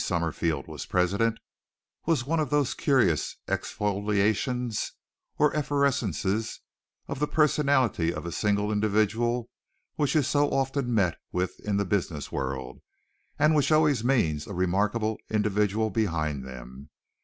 Summerfield was president, was one of those curious exfoliations or efflorescences of the personality of a single individual which is so often met with in the business world, and which always means a remarkable individual behind them.